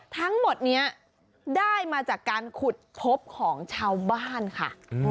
ทั้งหมดนี้ได้มาจากการขุดพบของชาวบ้านค่ะ